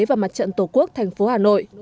và mặt trận tổ quốc thành phố hà nội